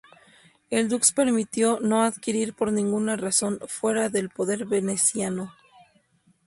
El Dux permitió no adquirir por ninguna razón fuera del poder veneciano.